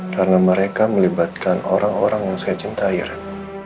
karena mereka melibatkan orang orang yang saya cintai ren